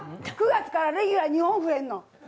９月からレギュラー２本増えるの？